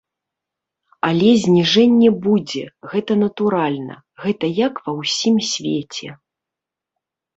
Але зніжэнне будзе, гэта натуральна, гэта як ва ўсім свеце.